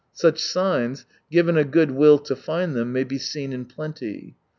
Such signs, given a good will to find them, may be seen in plenty.